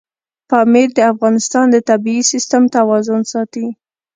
پامیر د افغانستان د طبعي سیسټم توازن ساتي.